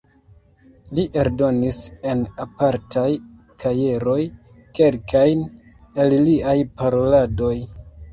Li eldonis en apartaj kajeroj kelkajn el liaj paroladoj.